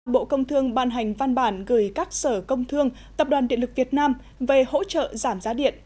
bộ công thương ban hành văn bản gửi các sở công thương tập đoàn điện lực việt nam về hỗ trợ giảm giá điện